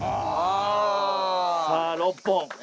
さあ６本。